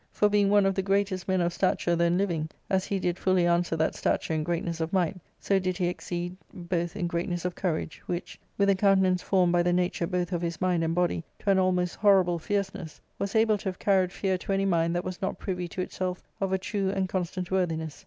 * For being one of the greatest men of stature then living, as he did fully answer that stature in greatness of might, so did he exceed both in great ness of courage, which, with a countenance formed by the nature both of his. mind and body to an almost horrible (fierceness, was able to have carried fear to any mind that was not privy to itself of a true and constant worthiness.